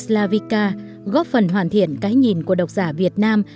xéc là vika góp phần hoàn thiện cái nhìn của độc giả việt nam